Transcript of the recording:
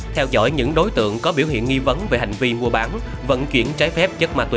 theo dõi những đối tượng có biểu hiện nghi vấn về hành vi mua bán vận chuyển trái phép chất ma túy